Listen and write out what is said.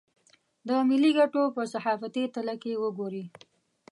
د ملي ګټو په صحافتي تله که وګوري.